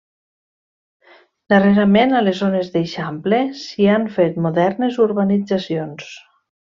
Darrerament a les zones d'eixample s'hi han fet modernes urbanitzacions.